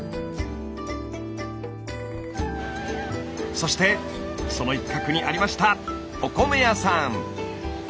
そしてその一角にありましたお米屋さん！